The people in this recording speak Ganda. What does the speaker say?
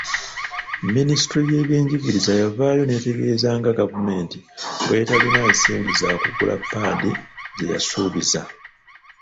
Minisitule y'ebyenjigiriza yavaayo n'etegeeza nga gavumenti bwe etalina nsimbi zaakugula paadi zeyasubiza.